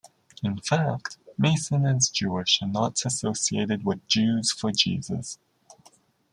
In fact, Mason is Jewish and not associated with Jews for Jesus.